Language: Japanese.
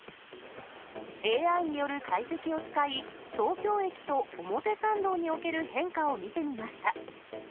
ＡＩによる解析を使い、東京駅と表参道における変化を見てみました。